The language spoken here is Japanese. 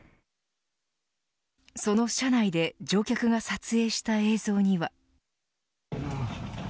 その車内で乗客が撮影した映像には。